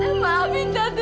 kamu mau gitu tanti